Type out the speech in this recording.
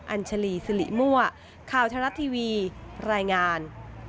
อัญชลีสิริมั่วข่าวทะลัดทีวีรายงาน